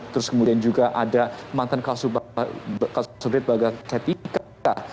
terus kemudian juga ada matan kasubrit bagaketika